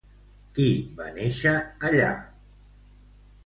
Qui va néixer allà?